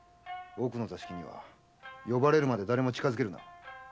奥の座敷には呼ばれるまで誰も近づけるな。